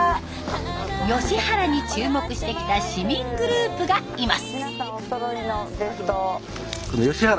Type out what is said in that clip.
ヨシ原に注目してきた市民グループがいます。